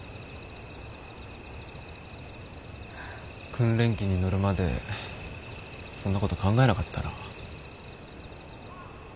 訓練機に乗るまでそんなこと考えなかったな。